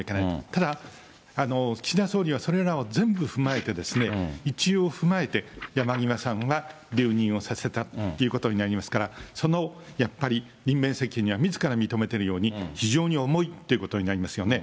ただ、岸田総理はそれらを全部踏まえて、一応踏まえて、山際さんは留任をさせたということになりますから、そのやっぱり、任命責任は、みずから認めてるように、非常に重いということになりますよね。